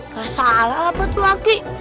gak salah apa tuh lagi